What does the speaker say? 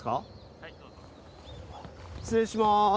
失礼します。